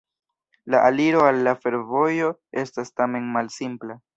La aliro al la fervojo estas tamen malsimpla.